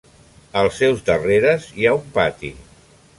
Als seus darreres hi ha un pati.